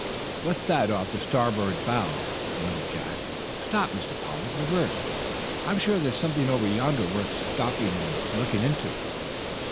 "What's that off the starboard bow?" wondered Jack. "Stop, Mr. Pollard. Reverse! I'm sure there's something over yonder worth stopping to look into."